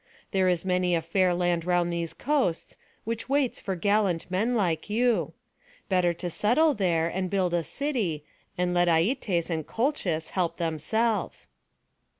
There is many a fair land round these coasts, which waits for gallant men like you. Better to settle there, and build a city, and let Aietes and Colchis help themselves."